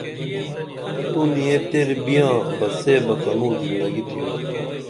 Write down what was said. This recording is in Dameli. تو نیہ تیر بیاں بہ سے بہ کنوں زندگی تِھیو